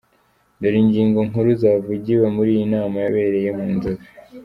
Dore ingingo nkuru zavugiwe muri iyi nama yabereye mu Nzove:.